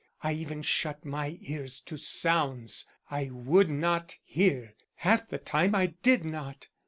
I even shut my ears to sounds; I would not hear; half the time I did not.